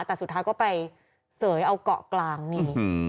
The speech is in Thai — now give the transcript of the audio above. แต่สุดท้ายก็ไปเสยเอาเกาะกลางนี่